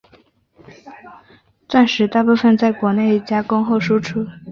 钻石大部份在国内加工后输出。